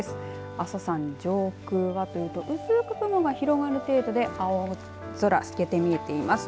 阿蘇山の上空はというと薄く雲が広がる程度で青空、透けて見えています。